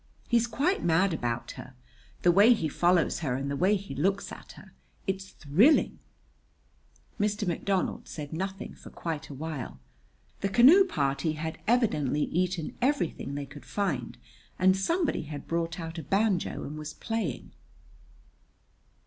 "He's quite mad about her. The way he follows her and the way he looks at her it's thrilling!" Mr. McDonald said nothing for quite a while. The canoe party had evidently eaten everything they could find, and somebody had brought out a banjo and was playing.